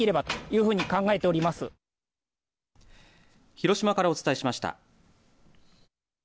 広島からお伝えしました。